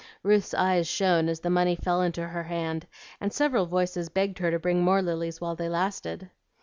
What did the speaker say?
Ruth's eyes shone as the money fell into her hand, and several voices begged her to bring more lilies while they lasted.